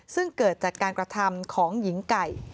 ซึ่งเกิดจากการกระทำของหญิงไก่